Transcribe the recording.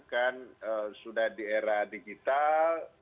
kan sudah di era digital